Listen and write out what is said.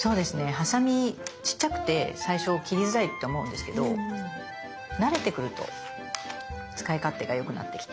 ハサミちっちゃくて最初切りづらいって思うんですけど慣れてくると使い勝手がよくなってきて。